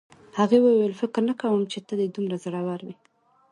هغې وویل فکر نه کوم چې ته دې دومره زړور وې